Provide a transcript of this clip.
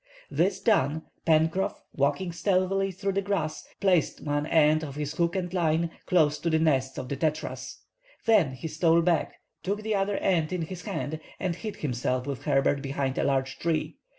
This done, Pencroff, walking stealthily through the grass, placed one end of his hook and line close to the nests of the tetras. Then he stole back, took the other end in his hand, and hid himself with Herbert behind a large tree.